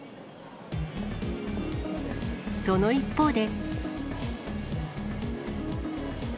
その一方で。